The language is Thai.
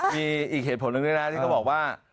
มีอีกเหตุผลหนึ่งด้วยนะที่เขาบอกว่า